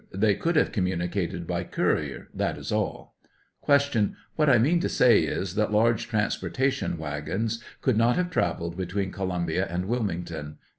They could have communicated by courier ; that is all. Q. What I mean to say is, that large transportation wagons could not have travelled between Columbia and Wilmington